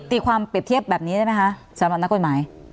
ตีความเปรียบเทียบแบบนี้ได้ไหมคะสนกฎหมาย